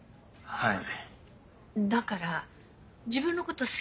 はい。